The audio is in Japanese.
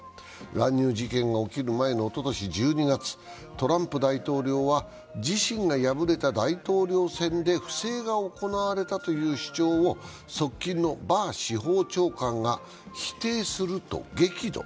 乱入事件が起きる前のおととし１２月、トランプ大統領は自身が敗れた大統領選で不正が行われたという主張を側近のバー司法長官が否定すると激怒。